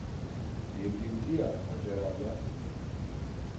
Devrildi ya, Hacer abla!